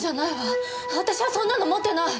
私はそんなの持ってない！